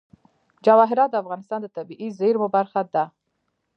جواهرات د افغانستان د طبیعي زیرمو برخه ده.